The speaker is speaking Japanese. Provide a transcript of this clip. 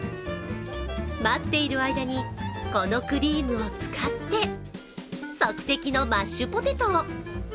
待っている間に、このクリームを使って即席のマッシュポテトを。